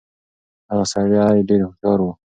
هغه سړی ډېر هوښيار و.